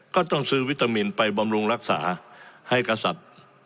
ก็ต้องซื้อวิตามินไปบำรุงรักษาให้กษัตริย์